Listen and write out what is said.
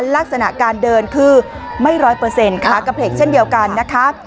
ลักษณะการเดินคือไม่ร้อยเปอร์เซ็นขากระเพลกเช่นเดียวกันนะคะ